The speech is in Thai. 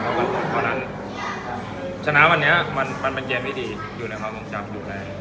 เพราะฉะนั้นชนะวันนี้มันเป็นเกมวิธีอยู่ในครองจำ